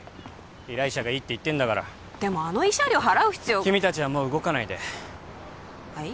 依頼者がいいって言ってんだからでもあの慰謝料払う必要君たちはもう動かないではい？